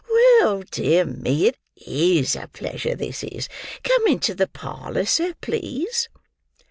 Well, dear me, it is a pleasure, this is! Come into the parlour, sir, please."